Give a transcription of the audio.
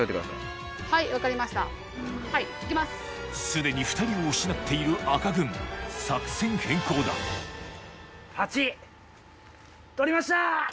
すでに２人を失っている赤軍作戦変更だ８取りました！